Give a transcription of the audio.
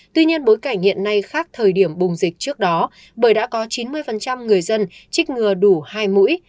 tuy nhiên bối cảnh hiện nay khác thời điểm bùng dịch trước đó bởi đã có chín mươi người dân trích ngừa đủ hai mũi